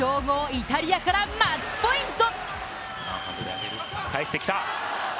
イタリアからマッチポイント！